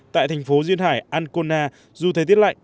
tại thành phố duyên hải an kona dù thời tiết lạnh